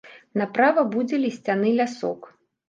Направа будзе лісцяны лясок.